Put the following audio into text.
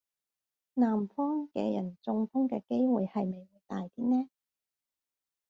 南方嘅人中風嘅機會係咪會大啲呢?